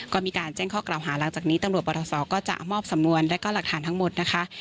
ก็มีการแจ้งข้อกล่าวหาหลังจากนี้ตำรวจปรทศก็จะมอบสำนวนและก็หลักฐานทั้งหมดนะคะ